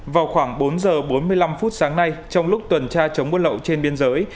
vào khoảng bốn giờ bốn mươi năm phút sáng nay trong lúc tuần tra chống buôn lậu trên biên giới